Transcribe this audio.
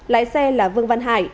lái xe là vương văn hải